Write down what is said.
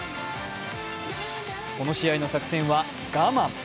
この試合の作戦は我慢。